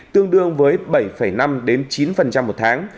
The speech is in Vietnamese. tương đương với bảy năm đến chín một tháng